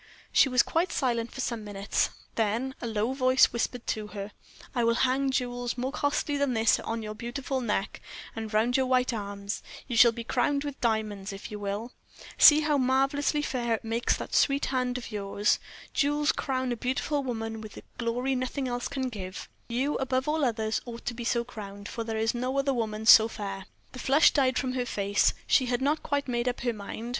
She was quite silent for some minutes, then a low voice whispered to her: "I will hang jewels more costly than this on your beautiful neck, and round your white arms; you shall be crowned with diamonds, if you will. See how marvelously fair it makes that sweet hand of yours. Jewels crown a beautiful woman with a glory nothing else can give. You, above all others, ought to be so crowned, for there is no other woman so fair." The flush died from her face. She had not quite made up her mind.